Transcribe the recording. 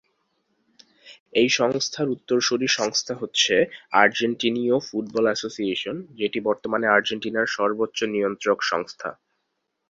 এই সংস্থার উত্তরসূরি সংস্থা হচ্ছে আর্জেন্টিনীয় ফুটবল অ্যাসোসিয়েশন, যেটি বর্তমানে আর্জেন্টিনার সর্বোচ্চ নিয়ন্ত্রক সংস্থা।